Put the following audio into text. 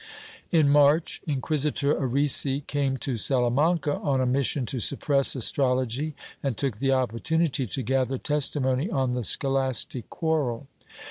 In March, Inquisitor Arrese came to Salamanca on a mission to suppress astrology and took the opportunity to gather testimony on the scholastic quar rel.